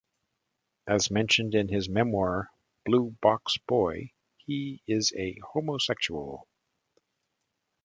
As mentioned in his memoir "Blue Box Boy" he is a homosexual.